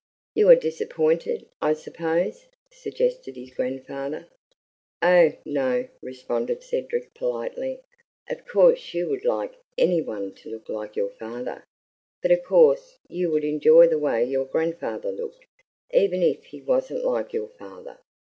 "You are disappointed, I suppose?" suggested his grandfather. "Oh, no," responded Cedric politely. "Of course you would like any one to look like your father; but of course you would enjoy the way your grandfather looked, even if he wasn't like your father.